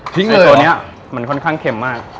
ทิ้งเลยหรอใส่ตัวนี้มันค่อนข้างเข็มมาก